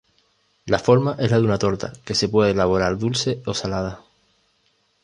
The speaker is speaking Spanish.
La forma es la de una torta que se puede elaborar dulce o salada.